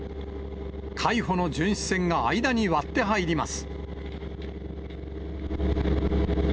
海保の巡視船が間に割って入ります。